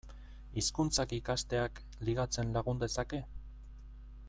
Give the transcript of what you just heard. Hizkuntzak ikasteak ligatzen lagun dezake?